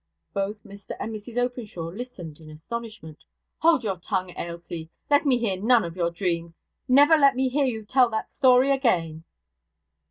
Both Mr and Mrs Openshaw listened in astonishment. 'Hold your tongue, Ailsie! let me hear none of your dreams; never let me hear you tell that story again!'